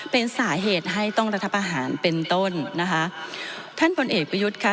เป็นสาเหตุให้ต้องรัฐประหารเป็นต้นนะคะท่านพลเอกประยุทธ์ค่ะ